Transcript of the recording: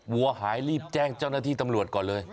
วัวหายรีบแจ้งเจ้าหน้าที่ตำรวจก่อนเลย